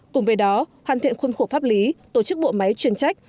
cùng với đó hoàn thiện khuôn khổ pháp lý tổ chức bộ máy chuyên trách